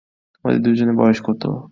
তোমাদের দুজনের বয়স কত?